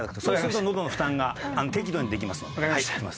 そうすると喉の負担が適度にできますので。